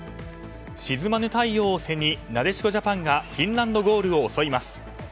沈まぬ太陽を背になでしこジャパンがフィンランドゴールを襲います。